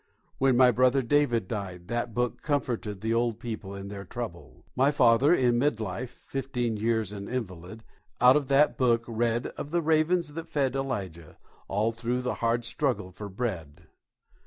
When my brother David died that book comforted the old people in their trouble. My father in mid life, fifteen years an invalid, out of that book read of the ravens that fed Elijah all through the hard struggle for bread.